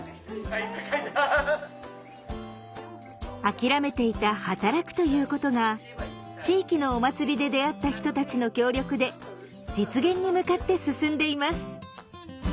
諦めていた「働く」ということが地域のお祭りで出会った人たちの協力で実現に向かって進んでいます。